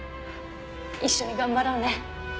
一緒に頑張ろうね。